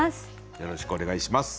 よろしくお願いします。